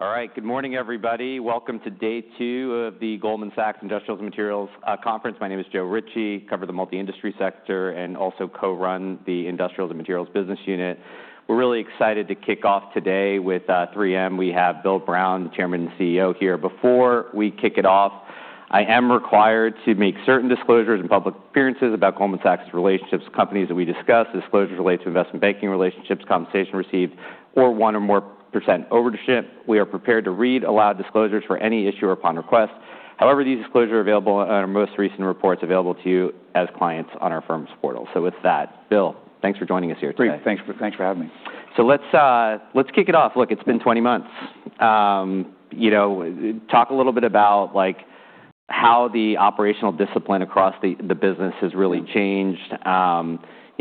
All right, good morning, everybody. Welcome to day two of the Goldman Sachs Industrials and Materials Conference. My name is Joe Ritchie. I cover the multi-industry sector and also co-run the Industrials and Materials Business Unit. We're really excited to kick off today with 3M. We have Bill Brown, the Chairman and CEO, here. Before we kick it off, I am required to make certain disclosures in public appearances about Goldman Sachs' relationships with companies that we discuss. Disclosures relate to investment banking relationships, compensation received, or one or more % ownership. We are prepared to read aloud disclosures for any issue or upon request. However, these disclosures are available in our most recent reports available to you as clients on our firm's portal. So with that, Bill, thanks for joining us here today. Great. Thanks for having me. So let's kick it off. Look, it's been 20 months. Talk a little bit about how the operational discipline across the business has really changed.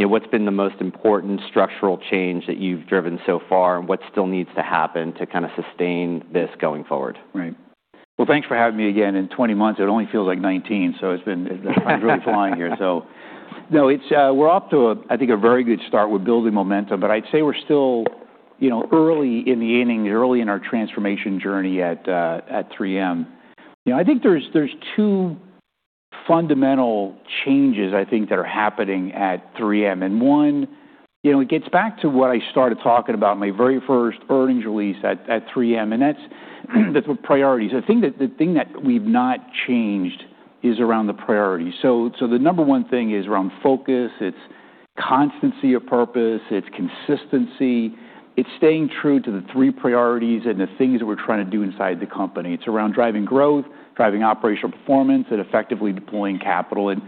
What's been the most important structural change that you've driven so far, and what still needs to happen to kind of sustain this going forward? Right. Well, thanks for having me again. In 20 months, it only feels like 19, so it's been really flying here. So no, we're off to, I think, a very good start. We're building momentum, but I'd say we're still early in the inning, early in our transformation journey at 3M. I think there's two fundamental changes, I think, that are happening at 3M. And one, it gets back to what I started talking about, my very first earnings release at 3M, and that's with priorities. The thing that we've not changed is around the priorities. So the number one thing is around focus. It's constancy of purpose. It's consistency. It's staying true to the three priorities and the things that we're trying to do inside the company. It's around driving growth, driving operational performance, and effectively deploying capital. And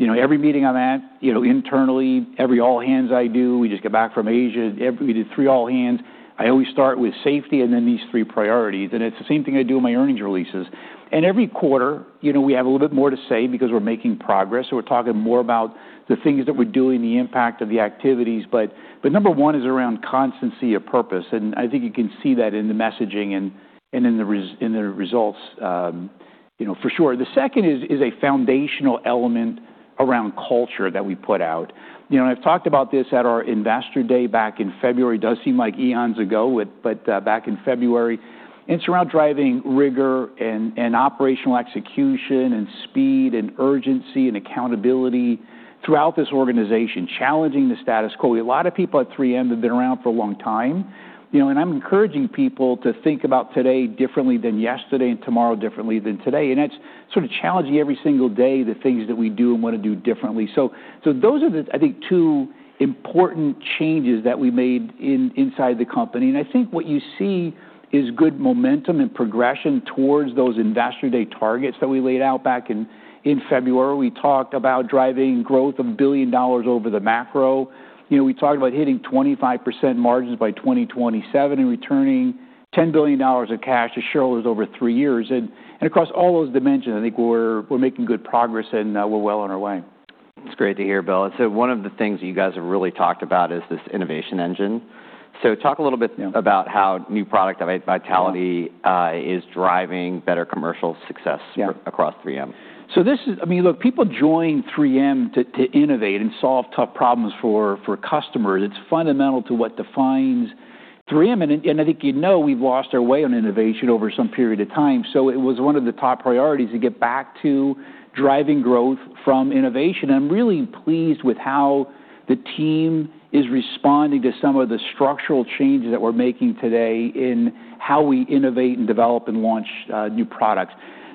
every meeting I'm at internally, every all-hands I do, we just get back from Asia. We did three all-hands. I always start with safety and then these three priorities. And it's the same thing I do in my earnings releases. And every quarter, we have a little bit more to say because we're making progress. So we're talking more about the things that we're doing, the impact of the activities. But number one is around constancy of purpose. And I think you can see that in the messaging and in the results, for sure. The second is a foundational element around culture that we put out. I've talked about this at our investor day back in February. It does seem like eons ago, but back in February. It's around driving rigor and operational execution and speed and urgency and accountability throughout this organization, challenging the status quo. A lot of people at 3M have been around for a long time. And I'm encouraging people to think about today differently than yesterday and tomorrow differently than today. And it's sort of challenging every single day the things that we do and want to do differently. So those are, I think, two important changes that we made inside the company. And I think what you see is good momentum and progression towards those investor day targets that we laid out back in February. We talked about driving growth of $1 billion over the macro. We talked about hitting 25% margins 2027 and returning $10 billion of cash to shareholders over three years. And across all those dimensions, I think we're making good progress and we're well on our way. It's great to hear, Bill. So one of the things that you guys have really talked about is this innovation engine. So talk a little bit about how new product vitality is driving better commercial success across 3M. So this is. I mean, look. People join 3M to innovate and solve tough problems for customers. It's fundamental to what defines 3M. And I think you know we've lost our way on innovation over some period of time. So it was one of the top priorities to get back to driving growth from innovation. And I'm really pleased with how the team is responding to some of the structural changes that we're making today in how we innovate and develop and launch new products.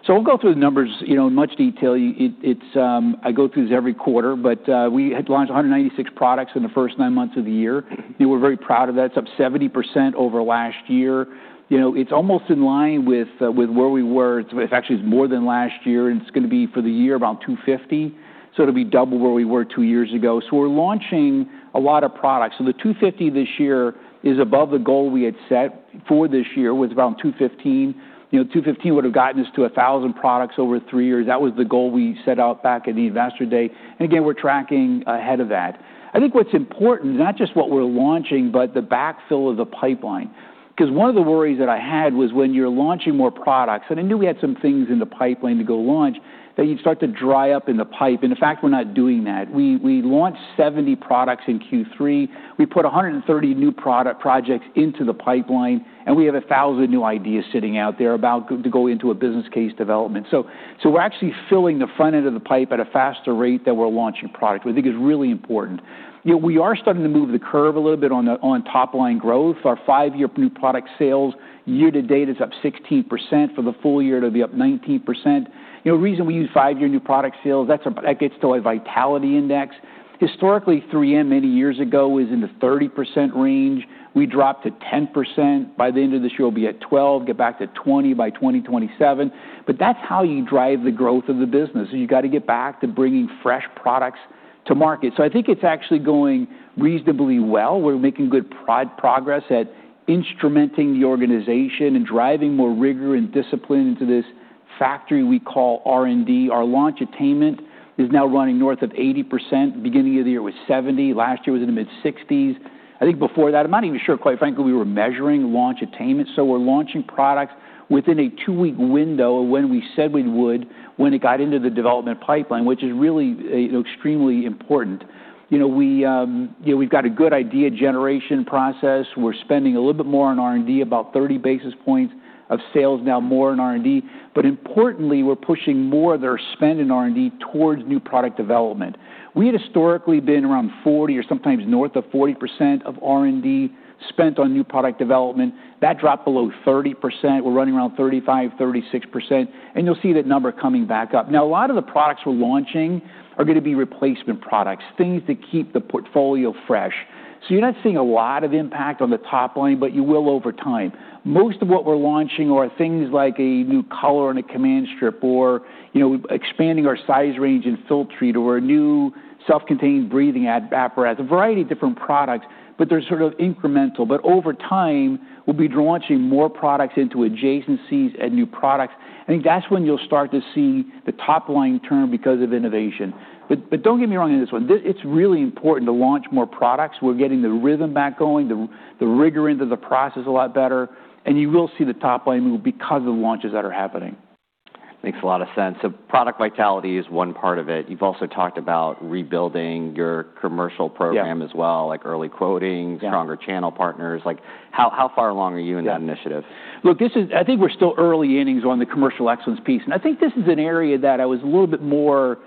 So I'll go through the numbers in much detail. I go through this every quarter, but we had launched 196 products in the first nine months of the year. We're very proud of that. It's up 70% over last year. It's almost in line with where we were. It's actually more than last year. And it's going to be for the year about 250. It'll be double where we were two years ago. So we're launching a lot of products. So the 250 this year is above the goal we had set for this year was around 215. 215 would have gotten us to 1,000 products over three years. That was the goal we set out back at the investor day. And again, we're tracking ahead of that. I think what's important is not just what we're launching, but the backfill of the pipeline. Because one of the worries that I had was when you're launching more products, and I knew we had some things in the pipeline to go launch, that you'd start to dry up in the pipe. And in fact, we're not doing that. We launched 70 products in Q3. We put 130 new projects into the pipeline. We have 1,000 new ideas sitting out there about to go into a business case development. We're actually filling the front end of the pipe at a faster rate than we're launching product, which I think is really important. We are starting to move the curve a little bit on top-line growth. Our five-year new product sales year-to-date is up 16%. For the full year, it'll be up 19%. The reason we use five-year new product sales, that gets to our vitality index. Historically, 3M many years ago was in the 30% range. We dropped to 10%. By the end of this year, we'll be at 12%, get back to 20% by 2027. That's how you drive the growth of the business. You've got to get back to bringing fresh products to market. I think it's actually going reasonably well. We're making good progress at instrumenting the organization and driving more rigor and discipline into this factory we call R&D. Our launch attainment is now running north of 80%. Beginning of the year it was 70%. Last year it was in the mid-60s%. I think before that, I'm not even sure, quite frankly, we were measuring launch attainment. So we're launching products within a two-week window of when we said we would when it got into the development pipeline, which is really extremely important. We've got a good idea generation process. We're spending a little bit more on R&D, about 30 basis points of sales now more on R&D. But importantly, we're pushing more of their spend in R&D towards new product development. We had historically been around 40% or sometimes north of 40% of R&D spent on new product development. That dropped below 30%. We're running around 35%, 36%. And you'll see that number coming back up. Now, a lot of the products we're launching are going to be replacement products, things to keep the portfolio fresh. So you're not seeing a lot of impact on the top line, but you will over time. Most of what we're launching are things like a new color on a Command strip or expanding our size range in Filtrete or a new self-contained breathing apparatus. A variety of different products, but they're sort of incremental. But over time, we'll be launching more products into adjacencies and new products. I think that's when you'll start to see the top line turn because of innovation. But don't get me wrong on this one. It's really important to launch more products. We're getting the rhythm back going, the rigor into the process a lot better. You will see the top line move because of the launches that are happening. Makes a lot of sense. So product vitality is one part of it. You've also talked about rebuilding your commercial program as well, like early quoting, stronger channel partners. How far along are you in that initiative? Look, I think we're still early innings on the commercial excellence piece. And I think this is an area that I was a little bit more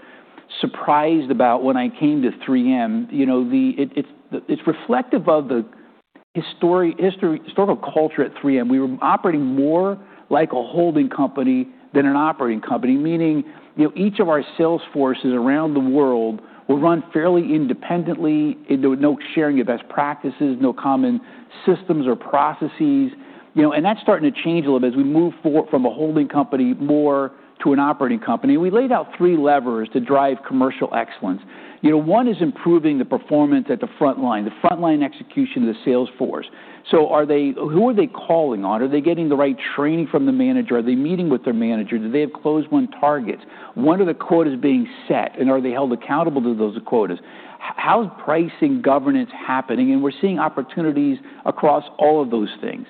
surprised about when I came to 3M. It's reflective of the historical culture at 3M. We were operating more like a holding company than an operating company, meaning each of our sales forces around the world were run fairly independently. There was no sharing of best practices, no common systems or processes. And that's starting to change a little bit as we move forward from a holding company more to an operating company. We laid out three levers to drive commercial excellence. One is improving the performance at the front line, the front line execution of the sales force. So who are they calling on? Are they getting the right training from the manager? Are they meeting with their manager? Do they have closed-won targets? When are the quotas being set? And are they held accountable to those quotas? How's pricing governance happening? And we're seeing opportunities across all of those things.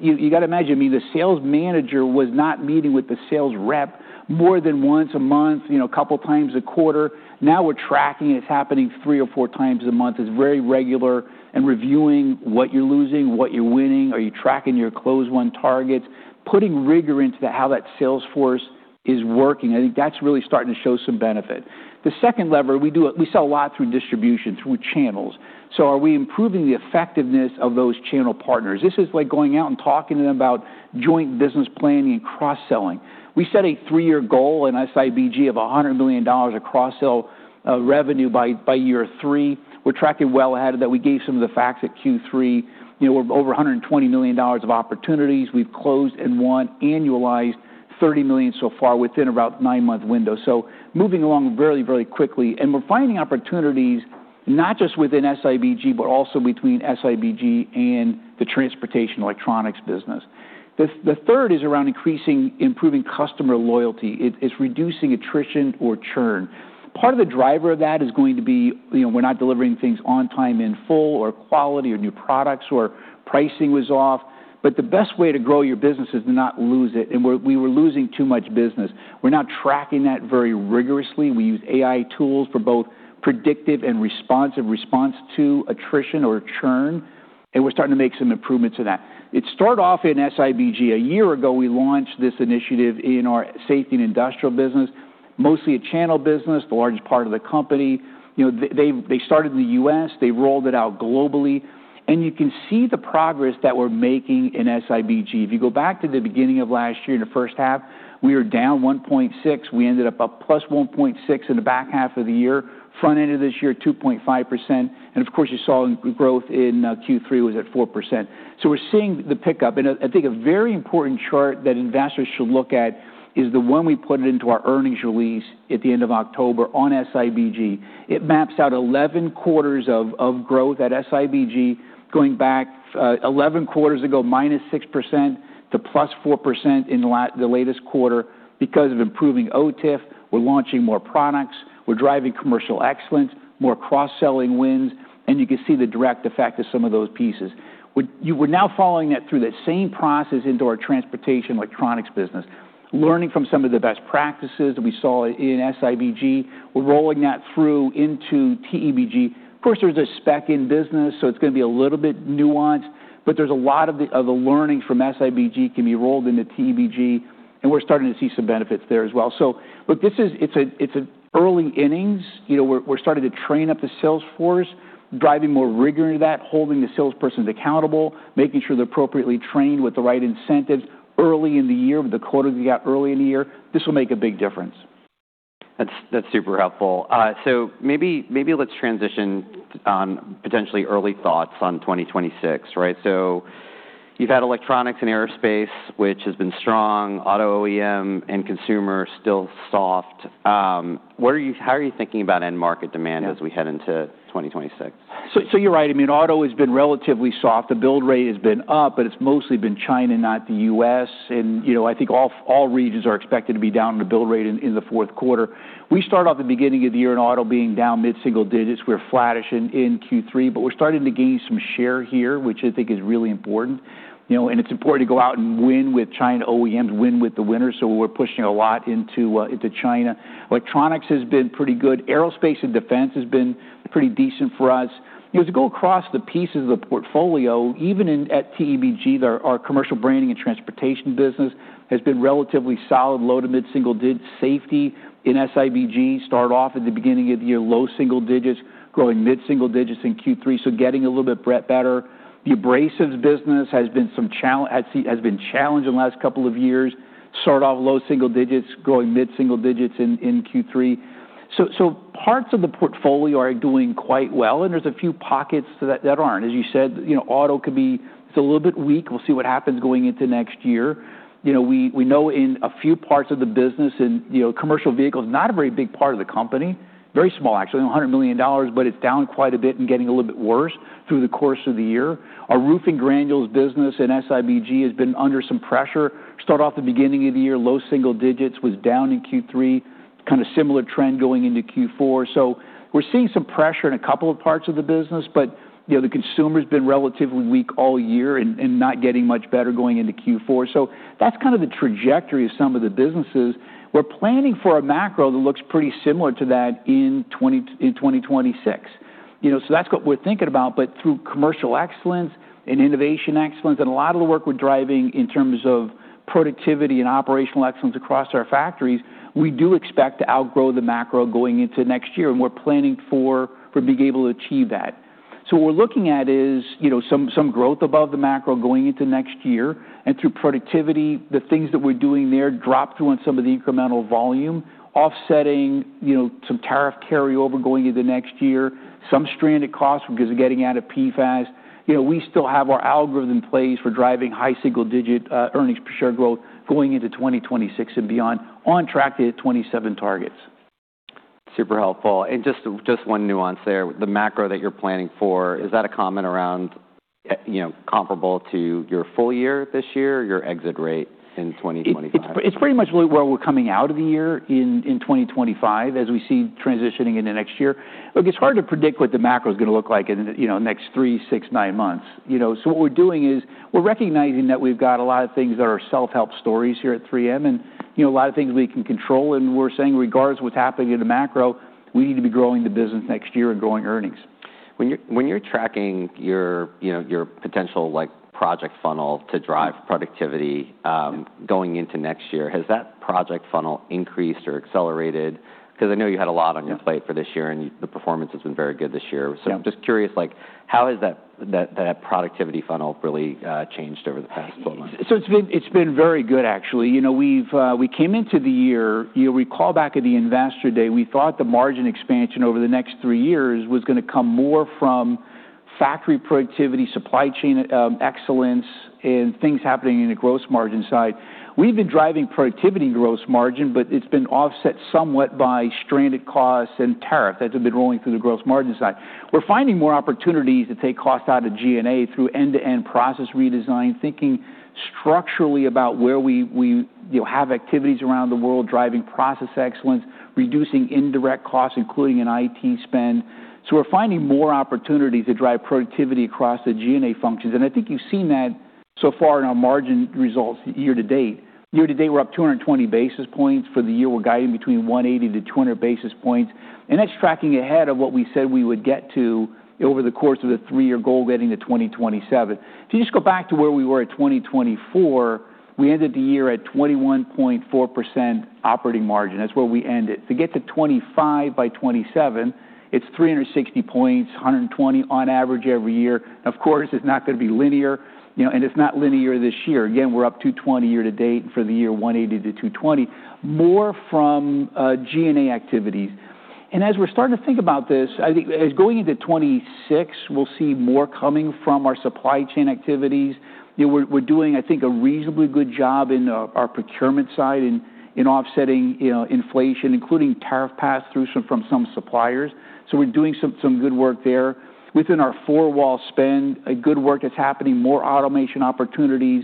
You've got to imagine, I mean, the sales manager was not meeting with the sales rep more than once a month, a couple of times a quarter. Now we're tracking it. It's happening three or four times a month. It's very regular and reviewing what you're losing, what you're winning. Are you tracking your closed-won targets? Putting rigor into how that sales force is working. I think that's really starting to show some benefit. The second lever, we sell a lot through distribution, through channels. So are we improving the effectiveness of those channel partners? This is like going out and talking to them about joint business planning and cross-selling. We set a three-year goal in SIBG of $100 million of cross-sell revenue by year three. We're tracking well ahead of that. We gave some of the facts at Q3. We're over $120 million of opportunities. We've closed-won, annualized $30 million so far within about a nine-month window. So moving along very, very quickly. And we're finding opportunities not just within SIBG, but also between SIBG and Transportation and Electronics business. The third is around increasing, improving customer loyalty. It's reducing attrition or churn. Part of the driver of that is going to be we're not delivering things On-Time In-Full or quality or new products or pricing was off. But the best way to grow your business is to not lose it. And we were losing too much business. We're now tracking that very rigorously. We use AI tools for both predictive and responsive response to attrition or churn, and we're starting to make some improvements to that. It started off in SIBG. A year ago, we launched this initiative in our Safety and Industrial business, mostly a channel business, the largest part of the company. They started in the They rolled it out globally, and you can see the progress that we're making in SIBG. If you go back to the beginning of last year in the first half, we were down 1.6%. We ended up up plus 1.6% in the back half of the year. Front end of this year, 2.5%, and of course, you saw growth in Q3 was at 4%, so we're seeing the pickup. And I think a very important chart that investors should look at is the one we put into our earnings release at the end of October on SIBG. It maps out 11 quarters of growth at SIBG going back 11 quarters ago, minus 6% to plus 4% in the latest quarter because of improving OTIF. We're launching more products. We're driving commercial excellence, more cross-selling wins. And you can see the direct effect of some of those pieces. We're now following that through the same process into our transportation electronics business, learning from some of the best practices that we saw in SIBG. We're rolling that through into TEBG. Of course, there's a spec-in business, so it's going to be a little bit nuanced. But there's a lot of the learnings from SIBG can be rolled into TEBG. And we're starting to see some benefits there as well. So look, it's an early innings. We're starting to train up the sales force, driving more rigor into that, holding the salespersons accountable, making sure they're appropriately trained with the right incentives early in the year, with the quotas we got early in the year. This will make a big difference. That's super helpful. So maybe let's transition on potentially early thoughts on 2026, right? So you've had electronics and aerospace, which has been strong, auto OEM and consumer still soft. How are you thinking about end market demand as we head into 2026? So you're right. I mean, auto has been relatively soft. The build rate has been up, but it's mostly been China, not the U.S. And I think all regions are expected to be down in the build rate in the fourth quarter. We start off the beginning of the year in auto being down mid-single digits. We're flattish in Q3, but we're starting to gain some share here, which I think is really important. And it's important to go out and win with China OEMs, win with the winners. So we're pushing a lot into China. Electronics has been pretty good. Aerospace and defense has been pretty decent for us. As you go across the pieces of the portfolio, even at TEBG, our Commercial Branding and Transportation business has been relatively solid, low to mid-single digits. Safety in SIBG started off at the beginning of the year, low single digits, growing mid-single digits in Q3, so getting a little bit better. The abrasives business has been challenged in the last couple of years, started off low single digits, growing mid-single digits in Q3. So parts of the portfolio are doing quite well, and there's a few pockets that aren't. As you said, auto could be a little bit weak. We'll see what happens going into next year. We know in a few parts of the business and commercial vehicles, not a very big part of the company, very small actually, $100 million, but it's down quite a bit and getting a little bit worse through the course of the year. Our roofing granules business in SIBG has been under some pressure. Started off the beginning of the year low single digits, was down in Q3, kind of similar trend going into Q4. So we're seeing some pressure in a couple of parts of the business, but the consumer has been relatively weak all year and not getting much better going into Q4. So that's kind of the trajectory of some of the businesses. We're planning for a macro that looks pretty similar to that in 2026. So that's what we're thinking about. But through commercial excellence and innovation excellence and a lot of the work we're driving in terms of productivity and operational excellence across our factories, we do expect to outgrow the macro going into next year. And we're planning for being able to achieve that. So what we're looking at is some growth above the macro going into next year. And through productivity, the things that we're doing there drop through on some of the incremental volume, offsetting some tariff carryover going into next year, some stranded costs because of getting out of PFAS. We still have our algorithm in place for driving high single-digit earnings per share growth going into 2026 and beyond, on track to 27 targets. Super helpful. And just one nuance there. The macro that you're planning for, is that a comment around comparable to your full year this year, your exit rate in 2025? It's pretty much where we're coming out of the year in 2025 as we see transitioning into next year. It's hard to predict what the macro is going to look like in the next three, six, nine months. So what we're doing is we're recognizing that we've got a lot of things that are self-help stories here at 3M. And a lot of things we can control. And we're saying regardless of what's happening in the macro, we need to be growing the business next year and growing earnings. When you're tracking your potential project funnel to drive productivity going into next year, has that project funnel increased or accelerated? Because I know you had a lot on your plate for this year, and the performance has been very good this year. So I'm just curious, how has that productivity funnel really changed over the past 12 months? So it's been very good, actually. We came into the year, we call back at the investor day, we thought the margin expansion over the next three years was going to come more from factory productivity, supply chain excellence, and things happening in the gross margin side. We've been driving productivity and gross margin, but it's been offset somewhat by stranded costs and tariff that have been rolling through the gross margin side. We're finding more opportunities to take cost out of G&A through end-to-end process redesign, thinking structurally about where we have activities around the world, driving process excellence, reducing indirect costs, including in IT spend. So we're finding more opportunities to drive productivity across the G&A functions. And I think you've seen that so far in our margin results year to date. Year to date, we're up 220 basis points for the year. We're guiding between 180-200 basis points. And that's tracking ahead of what we said we would get to over the course of the three-year goal getting to 2027. If you just go back to where we were at 2024, we ended the year at 21.4% operating margin. That's where we ended. To get to 25 by 2027, it's 360 points, 120 on average every year. Of course, it's not going to be linear. And it's not linear this year. Again, we're up 220 year to date for the year, 180 to 220, more from G&A activities. And as we're starting to think about this, I think as going into 2026, we'll see more coming from our supply chain activities. We're doing, I think, a reasonably good job in our procurement side in offsetting inflation, including tariff pass-throughs from some suppliers. So we're doing some good work there. Within our four-wall spend, good work that's happening, more automation opportunities.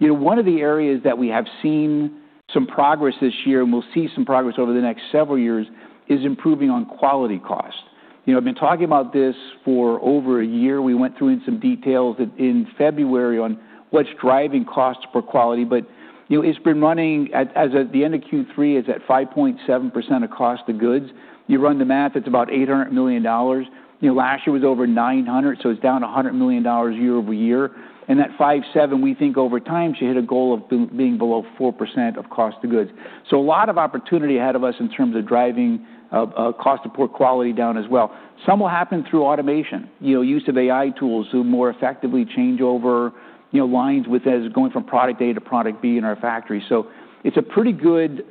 One of the areas that we have seen some progress this year, and we'll see some progress over the next several years, is improving on quality costs. I've been talking about this for over a year. We went through in some details in February on what's driving costs for quality. But it's been running as at the end of Q3, it's at 5.7% of cost of goods. You run the math, it's about $800 million. Last year was over $900 million, so it's down $100 million year over year. And that 5.7, we think over time should hit a goal of being below 4% of cost of goods. So a lot of opportunity ahead of us in terms of driving Cost of Poor Quality down as well. Some will happen through automation, use of AI tools to more effectively change over lines with us going from product A to product B in our factory, so it's a pretty good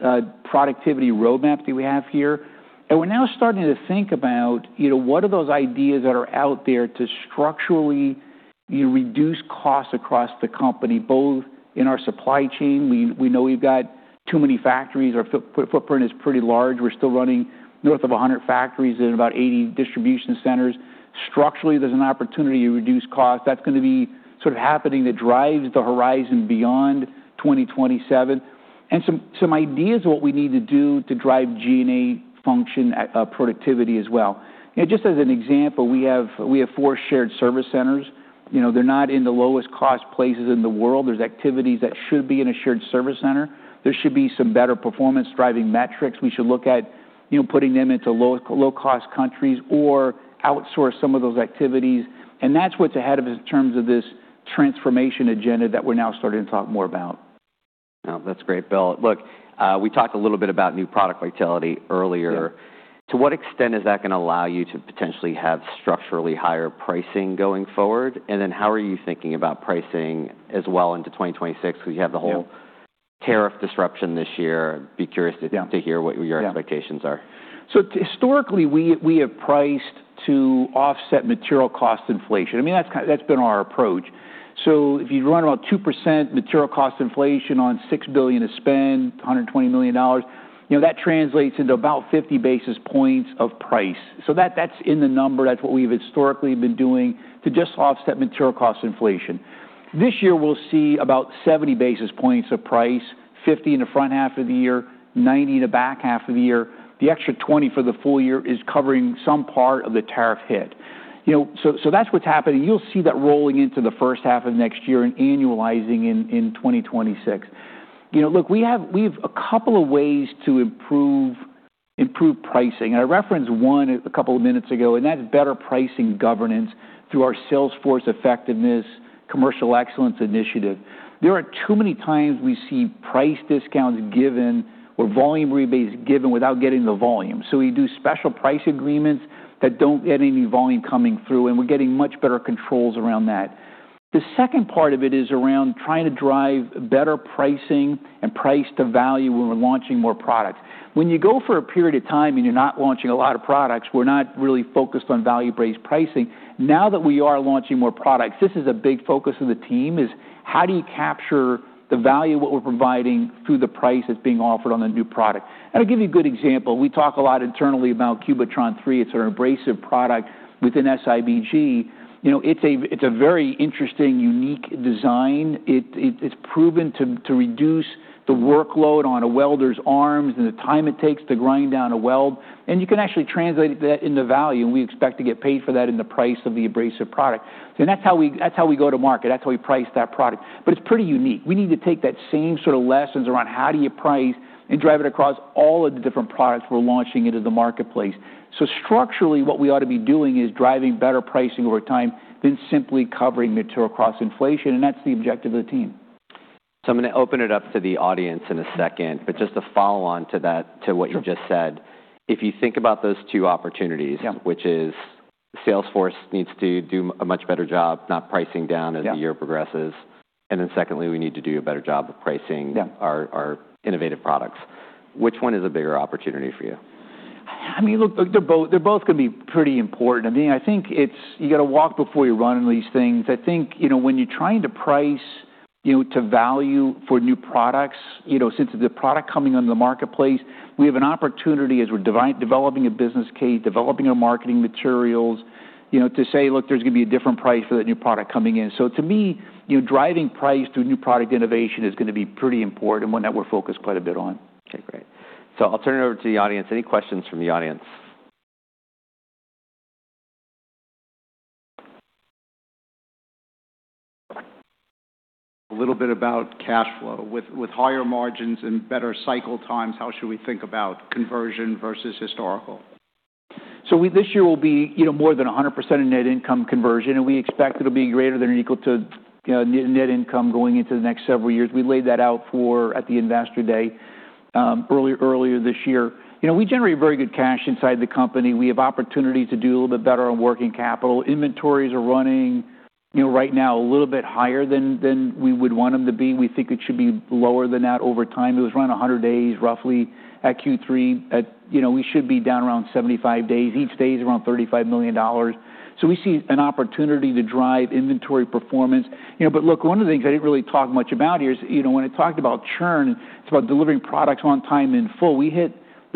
productivity roadmap that we have here, and we're now starting to think about what are those ideas that are out there to structurally reduce costs across the company, both in our supply chain. We know we've got too many factories. Our footprint is pretty large. We're still running north of 100 factories and about 80 distribution centers. Structurally, there's an opportunity to reduce costs. That's going to be sort of happening that drives the horizon beyond 2027, and some ideas of what we need to do to drive G&A function productivity as well. Just as an example, we have four shared service centers. They're not in the lowest cost places in the world. There's activities that should be in a shared service center. There should be some better performance driving metrics. We should look at putting them into low-cost countries or outsource some of those activities, and that's what's ahead of us in terms of this transformation agenda that we're now starting to talk more about. That's great, Bill. Look, we talked a little bit about new product vitality earlier. To what extent is that going to allow you to potentially have structurally higher pricing going forward? And then how are you thinking about pricing as well into 2026? Because you have the whole tariff disruption this year. Be curious to hear what your expectations are. So historically, we have priced to offset material cost inflation. I mean, that's been our approach. So if you run about 2% material cost inflation on $6 billion of spend, $120 million, that translates into about 50 basis points of price. So that's in the number. That's what we've historically been doing to just offset material cost inflation. This year, we'll see about 70 basis points of price, 50 in the front half of the year, 90 in the back half of the year. The extra 20 for the full year is covering some part of the tariff hit. So that's what's happening. You'll see that rolling into the first half of next year and annualizing in 2026. Look, we have a couple of ways to improve pricing. And I referenced one a couple of minutes ago, and that's better pricing governance through our Salesforce Effectiveness Commercial Excellence Initiative. There are too many times we see price discounts given or volume rebates given without getting the volume. So we do special price agreements that don't get any volume coming through, and we're getting much better controls around that. The second part of it is around trying to drive better pricing and price to value when we're launching more products. When you go for a period of time and you're not launching a lot of products, we're not really focused on value-based pricing. Now that we are launching more products, this is a big focus of the team is how do you capture the value of what we're providing through the price that's being offered on the new product? And I'll give you a good example. We talk a lot internally about Cubitron 3. It's an abrasive product within SIBG. It's a very interesting, unique design. It's proven to reduce the workload on a welder's arms and the time it takes to grind down a weld. And you can actually translate that into value, and we expect to get paid for that in the price of the abrasive product. And that's how we go to market. That's how we price that product. But it's pretty unique. We need to take that same sort of lessons around how do you price and drive it across all of the different products we're launching into the marketplace. So structurally, what we ought to be doing is driving better pricing over time than simply covering material cost inflation, and that's the objective of the team. So I'm going to open it up to the audience in a second, but just to follow on to what you just said, if you think about those two opportunities, which is Salesforce needs to do a much better job not pricing down as the year progresses, and then secondly, we need to do a better job of pricing our innovative products. Which one is a bigger opportunity for you? I mean, look, they're both going to be pretty important. I mean, I think you got to walk before you run on these things. I think when you're trying to price to value for new products, since the product coming onto the marketplace, we have an opportunity as we're developing a business case, developing our marketing materials to say, "Look, there's going to be a different price for that new product coming in." So to me, driving price through new product innovation is going to be pretty important and one that we're focused quite a bit on. Okay, great. So I'll turn it over to the audience. Any questions from the audience? A little bit about cash flow. With higher margins and better cycle times, how should we think about conversion versus historical? So this year will be more than 100% of net income conversion, and we expect it'll be greater than or equal to net income going into the next several years. We laid that out at the investor day earlier this year. We generate very good cash inside the company. We have opportunities to do a little bit better on working capital. Inventories are running right now a little bit higher than we would want them to be. We think it should be lower than that over time. It was around 100 days roughly at Q3. We should be down around 75 days. Each day is around $35 million. So we see an opportunity to drive inventory performance. But look, one of the things I didn't really talk much about here is when I talked about churn, it's about delivering products On-Time In-Full. We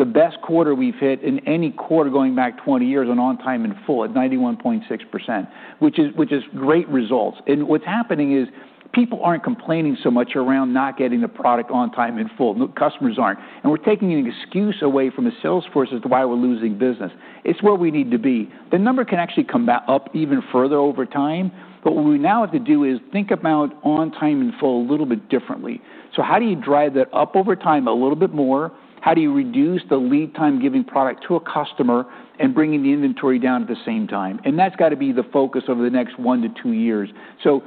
hit the best quarter we've hit in any quarter going back 20 years on time and full at 91.6%, which is great results. And what's happening is people aren't complaining so much around not getting the product on time and full. Customers aren't. And we're taking an excuse away from the sales force as to why we're losing business. It's where we need to be. The number can actually come up even further over time. But what we now have to do is think about on time and full a little bit differently. So how do you drive that up over time a little bit more? How do you reduce the lead time giving product to a customer and bringing the inventory down at the same time? And that's got to be the focus over the next one to two years. So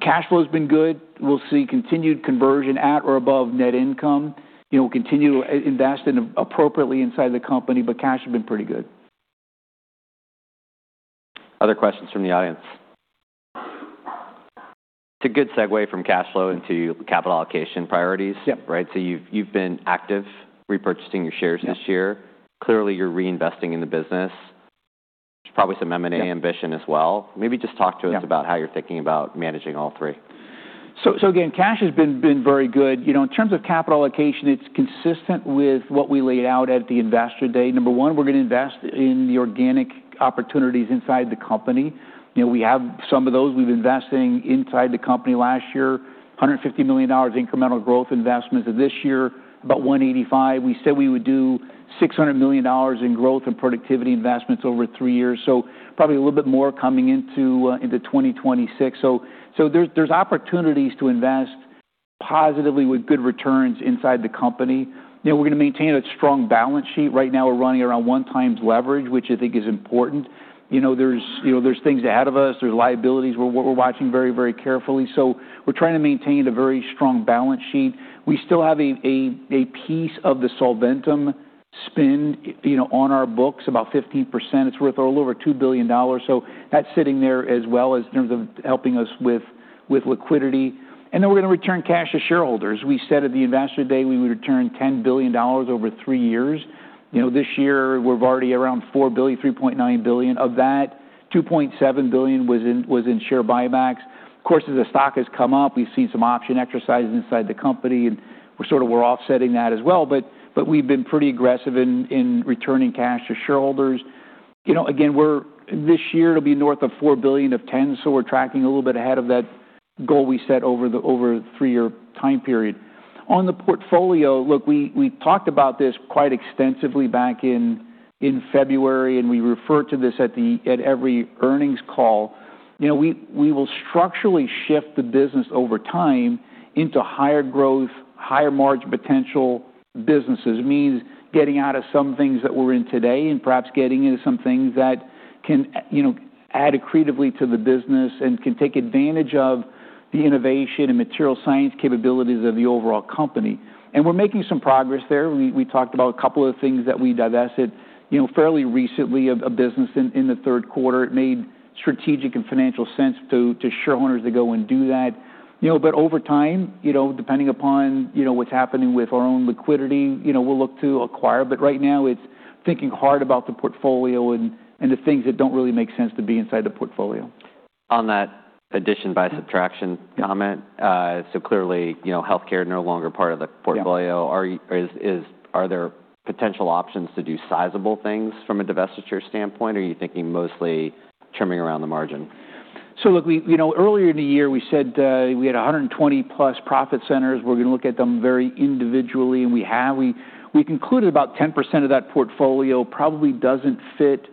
cash flow has been good. We'll see continued conversion at or above net income. We'll continue to invest appropriately inside the company, but cash has been pretty good. Other questions from the audience? It's a good segue from cash flow into capital allocation priorities, right? So you've been active repurchasing your shares this year. Clearly, you're reinvesting in the business, which is probably some M&A ambition as well. Maybe just talk to us about how you're thinking about managing all three. Again, cash has been very good. In terms of capital allocation, it's consistent with what we laid out at the investor day. Number one, we're going to invest in the organic opportunities inside the company. We have some of those. We've invested inside the company last year, $150 million incremental growth investments. And this year, about $185 million. We said we would do $600 million in growth and productivity investments over three years. So probably a little bit more coming into 2026. So there's opportunities to invest positively with good returns inside the company. We're going to maintain a strong balance sheet. Right now, we're running around one times leverage, which I think is important. There's things ahead of us. There's liabilities we're watching very, very carefully. So we're trying to maintain a very strong balance sheet. We still have a piece of the Solventum spend on our books, about 15%. It's worth a little over $2 billion. So that's sitting there as well as in terms of helping us with liquidity. And then we're going to return cash to shareholders. We said at the investor day we would return $10 billion over three years. This year, we're already around $4 billion, $3.9 billion. Of that, $2.7 billion was in share buybacks. Of course, as the stock has come up, we've seen some option exercises inside the company, and we're sort of offsetting that as well. But we've been pretty aggressive in returning cash to shareholders. Again, this year, it'll be north of $4 billion of $10. So we're tracking a little bit ahead of that goal we set over the three-year time period. On the portfolio, look, we talked about this quite extensively back in February, and we refer to this at every earnings call. We will structurally shift the business over time into higher growth, higher margin potential businesses. It means getting out of some things that we're in today and perhaps getting into some things that can add accretively to the business and can take advantage of the innovation and material science capabilities of the overall company, and we're making some progress there. We talked about a couple of things that we divested fairly recently of business in the third quarter. It made strategic and financial sense to shareholders to go and do that, but over time, depending upon what's happening with our own liquidity, we'll look to acquire, but right now, it's thinking hard about the portfolio and the things that don't really make sense to be inside the portfolio. On that addition by subtraction comment, so clearly, healthcare is no longer part of the portfolio. Are there potential options to do sizable things from a divestiture standpoint, or are you thinking mostly trimming around the margin? So look, earlier in the year, we said we had 120-plus profit centers. We're going to look at them very individually, and we have. We concluded about 10% of that portfolio probably doesn't fit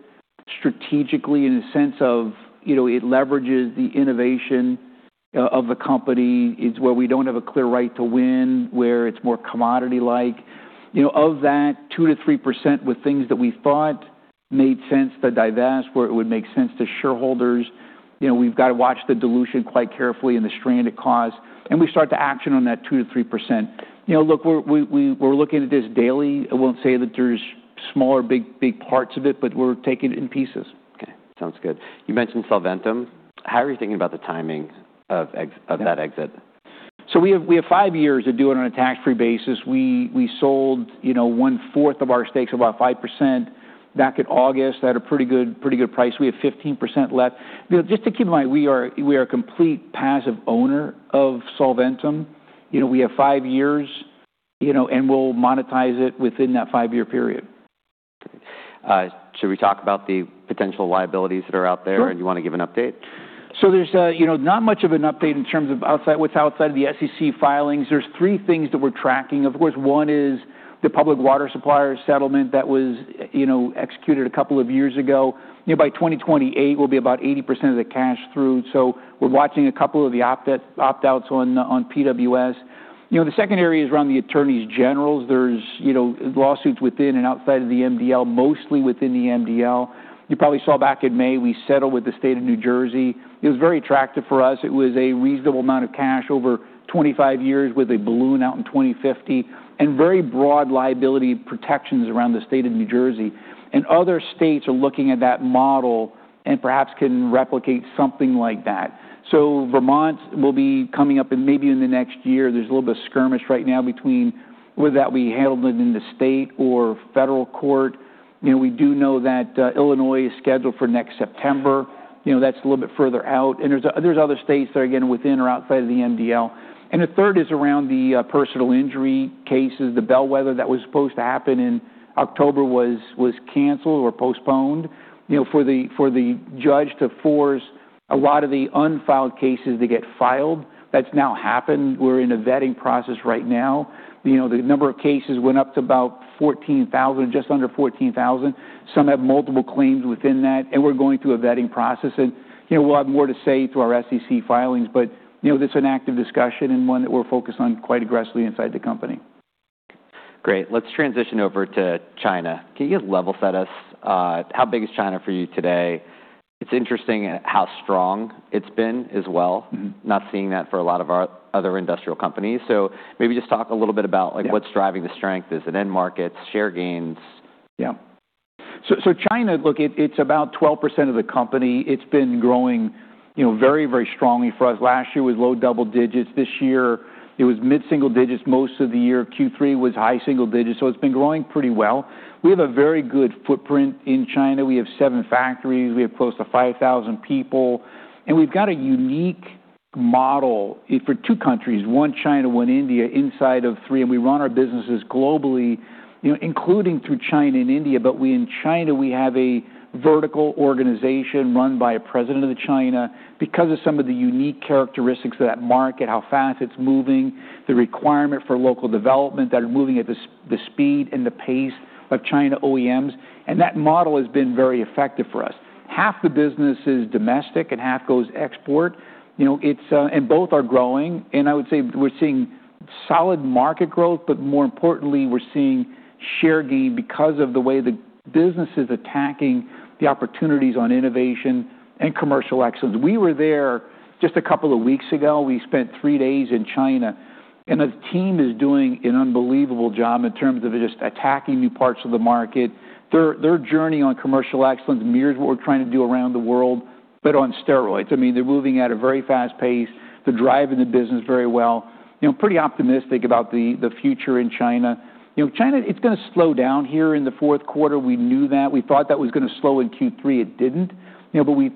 strategically in the sense of it leverages the innovation of the company. It's where we don't have a clear right to win, where it's more commodity-like. Of that 2%-3% with things that we thought made sense to divest, where it would make sense to shareholders, we've got to watch the dilution quite carefully and the strain it caused. And we start to action on that 2%-3%. Look, we're looking at this daily. I won't say that there's small or big parts of it, but we're taking it in pieces. Okay. Sounds good. You mentioned Solventum. How are you thinking about the timing of that exit? So we have five years of doing it on a tax-free basis. We sold one-fourth of our stakes, about 5%. Back in August, at a pretty good price, we had 15% left. Just to keep in mind, we are a complete passive owner of Solventum. We have five years, and we'll monetize it within that five-year period. Should we talk about the potential liabilities that are out there, and you want to give an update? So there's not much of an update in terms of what's outside of the SEC filings. There are three things that we're tracking. Of course, one is the Public Water Supplier settlement that was executed a couple of years ago. By 2028, we'll be about 80% of the cash through. So we're watching a couple of the opt-outs on PWS. The second area is around the attorneys general. There are lawsuits within and outside of the MDL, mostly within the MDL. You probably saw back in May, we settled with the state of New Jersey. It was very attractive for us. It was a reasonable amount of cash over 25 years with a balloon out in 2050 and very broad liability protections around the state of New Jersey, and other states are looking at that model and perhaps can replicate something like that. Vermont will be coming up maybe in the next year. There's a little bit of skirmish right now between whether that will be handled in the state or federal court. We do know that Illinois is scheduled for next September. That's a little bit further out. There's other states that are again within or outside of the MDL. The third is around the personal injury cases. The bellwether that was supposed to happen in October was canceled or postponed for the judge to force a lot of the unfiled cases to get filed. That's now happened. We're in a vetting process right now. The number of cases went up to about 14,000, just under 14,000. Some have multiple claims within that, and we're going through a vetting process. We'll have more to say through our SEC filings, but it's an active discussion and one that we're focused on quite aggressively inside the company. Great. Let's transition over to China. Can you level set us? How big is China for you today? It's interesting how strong it's been as well. Not seeing that for a lot of our other industrial companies. So maybe just talk a little bit about what's driving the strength, is it end markets, share gains? Yeah. So China, look, it's about 12% of the company. It's been growing very, very strongly for us. Last year was low double digits. This year, it was mid-single digits most of the year. Q3 was high single digits. So it's been growing pretty well. We have a very good footprint in China. We have seven factories. We have close to 5,000 people. And we've got a unique model for two countries, one China, one India, inside of 3M. And we run our businesses globally, including through China and India. But in China, we have a vertical organization run by a President of China. Because of some of the unique characteristics of that market, how fast it's moving, the requirement for local development that are moving at the speed and the pace of China OEMs, and that model has been very effective for us. Half the business is domestic, and half goes export. And both are growing. And I would say we're seeing solid market growth, but more importantly, we're seeing share gain because of the way the business is attacking the opportunities on innovation and commercial excellence. We were there just a couple of weeks ago. We spent three days in China. And the team is doing an unbelievable job in terms of just attacking new parts of the market. Their journey on commercial excellence mirrors what we're trying to do around the world, but on steroids. I mean, they're moving at a very fast pace. They're driving the business very well. Pretty optimistic about the future in China. China, it's going to slow down here in the fourth quarter. We knew that. We thought that was going to slow in Q3. It didn't. But we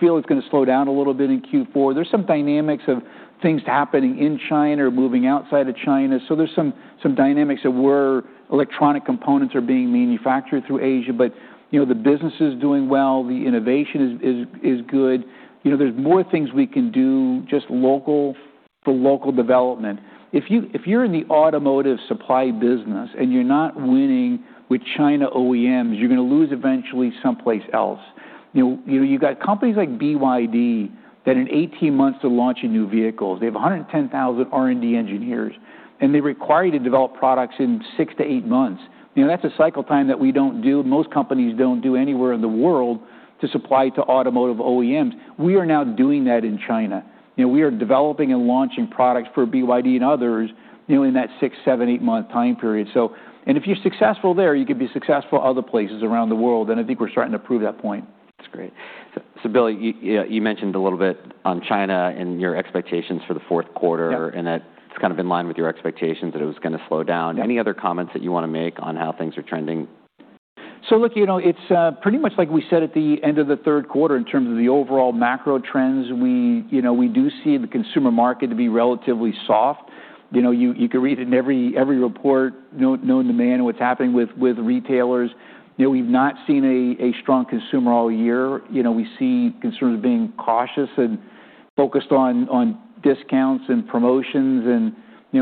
feel it's going to slow down a little bit in Q4. There's some dynamics of things happening in China or moving outside of China. So there's some dynamics of where electronic components are being manufactured through Asia. But the business is doing well. The innovation is good. There's more things we can do just for local development. If you're in the automotive supply business and you're not winning with China OEMs, you're going to lose eventually someplace else. You've got companies like that in 18 months to launch a new vehicle. They have 110,000 R&D engineers, and they require you to develop products in six to eight months. That's a cycle time that we don't do. Most companies don't do anywhere in the world to supply to automotive OEMs. We are now doing that in China. We are developing and launching products for and others in that six, seven, eight-month time period. And if you're successful there, you could be successful other places around the world. And I think we're starting to prove that point. That's great. So Bill, you mentioned a little bit on China and your expectations for the fourth quarter, and that it's kind of in line with your expectations that it was going to slow down. Any other comments that you want to make on how things are trending? So look, it's pretty much like we said at the end of the third quarter in terms of the overall macro trends. We do see the consumer market to be relatively soft. You can read it in every report, known demand, what's happening with retailers. We've not seen a strong consumer all year. We see consumers being cautious and focused on discounts and promotions and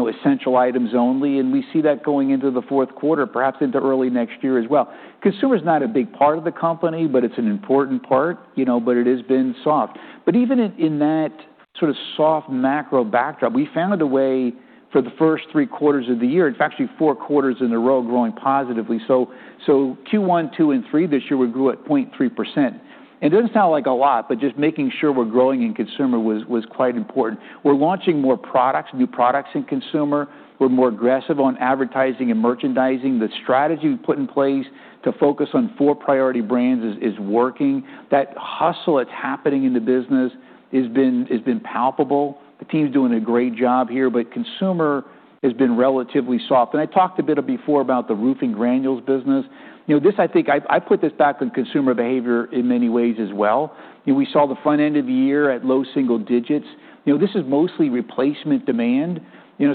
essential items only. And we see that going into the fourth quarter, perhaps into early next year as well. Consumer is not a big part of the company, but it's an important part. But it has been soft. But even in that sort of soft macro backdrop, we found a way for the first three quarters of the year, in fact, actually four quarters in a row, growing positively. So Q1, Q2, and Q3 this year, we grew at 0.3%. It doesn't sound like a lot, but just making sure we're growing in consumer was quite important. We're launching more products, new products in consumer. We're more aggressive on advertising and merchandising. The strategy we put in place to focus on four priority brands is working. That hustle that's happening in the business has been palpable. The team's doing a great job here, but consumer has been relatively soft. I talked a bit before about the roofing granules business. I put this back on consumer behavior in many ways as well. We saw the front end of the year at low single digits. This is mostly replacement demand.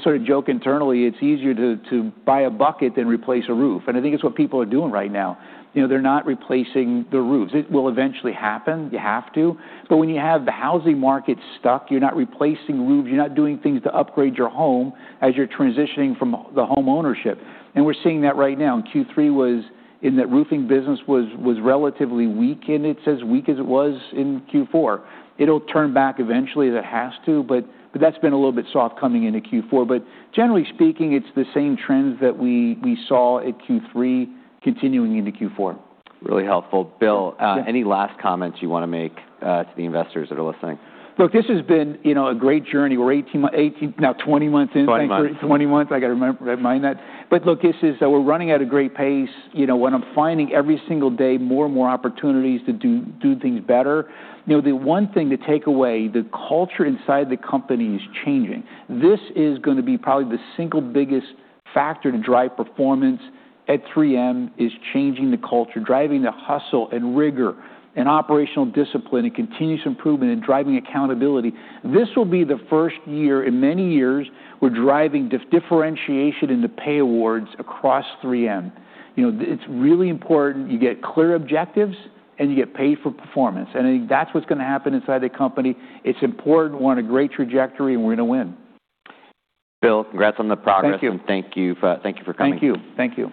Sort of joke internally, it's easier to buy a bucket than replace a roof. I think it's what people are doing right now. They're not replacing the roofs. It will eventually happen. You have to. But when you have the housing market stuck, you're not replacing roofs. You're not doing things to upgrade your home as you're transitioning from the home ownership. And we're seeing that right now. Q3 was in that roofing business was relatively weak in it, says weak as it was in Q4. It'll turn back eventually as it has to, but that's been a little bit soft coming into Q4. But generally speaking, it's the same trends that we saw at Q3 continuing into Q4. Really helpful. Bill, any last comments you want to make to the investors that are listening? Look, this has been a great journey. We're now 20 months in. 20 months. 20 months. I got to remind that. But look, we're running at a great pace. What I'm finding every single day, more and more opportunities to do things better. The one thing to take away, the culture inside the company is changing. This is going to be probably the single biggest factor to drive performance at 3M is changing the culture, driving the hustle and rigor and operational discipline and continuous improvement and driving accountability. This will be the first year in many years we're driving differentiation in the pay awards across 3M. It's really important. You get clear objectives, and you get paid for performance. And I think that's what's going to happen inside the company. It's important. We're on a great trajectory, and we're going to win. Bill, congrats on the progress. Thank you. Thank you for coming here. Thank you. Thank you.